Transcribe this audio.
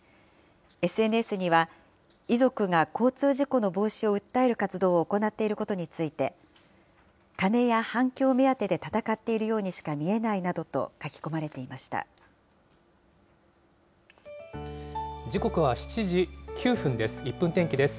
ＳＮＳには、遺族が交通事故の防止を訴える活動を行っていることについて、金や反響目当てで闘っているようにしか見えないなどと書き込まれ時刻は７時９分です。